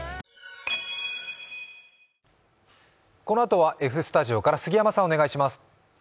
このあとはＦスタジオから杉山さんお願いします。